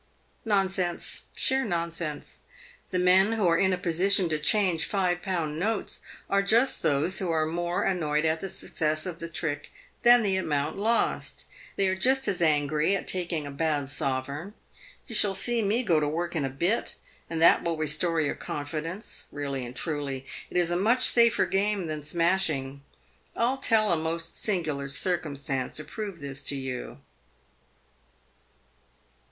Nonsense, sheer nonsense ! The men who are in a position to change five pound notes are just those who are more annoyed at the success of the trick than the amount lost. They are just as angry at taking a bad sovereign. You shall see me go to work a bit, and that will restore your confi dence. Really and truly, it is a much safer game than smashing. I'll tell a most singular circumstance to prove this to you."